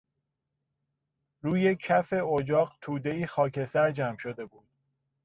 روی کف اجاق تودهای خاکستر جمع شده بود.